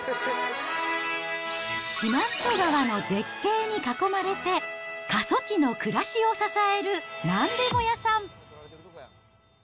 四万十川の絶景に囲まれて、過疎地の暮らしを支える何でも屋さん。